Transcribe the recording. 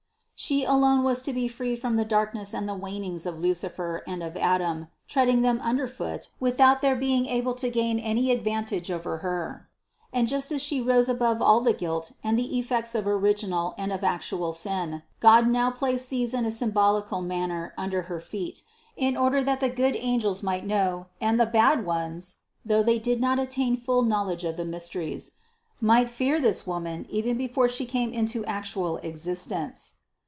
She alone was to be free from the darkness and the wanings of Lucifer and of Adam, treading them under foot without their being able to gain any advantage over Her. And just as She rose above all the guilt and the effects of original and of actual sin, God now placed these in a symbolical manner under her feet, in order that the good angels might know, 98 CITY OF GOD and the bad ones, (though they did not attain full knowl edge of the mysteries), might fear this Woman even before She came into actual existence.